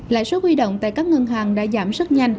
lãi suất huy động tại các ngân hàng đã giảm rất nhanh